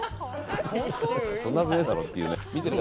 そんなはずねえだろっていうね。